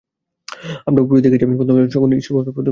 আমরা পূর্বেই দেখিয়াছি, প্রথমত সগুণ-ঈশ্বরবাদ পর্যাপ্ত সামান্যীকরণ নয়।